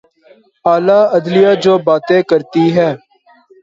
اعلی عدلیہ جو باتیں کرتی ہے۔